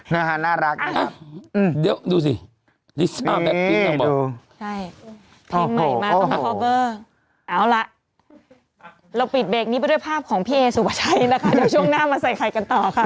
น่ารักนะครับอืมเดี๋ยวดูสินี่ดูใช่ทีมใหม่มาเอาละเราปิดเบรกนี้ไปด้วยภาพของพี่เอสุวาชัยนะคะเดี๋ยวช่วงหน้ามาใส่ไข่กันต่อค่ะ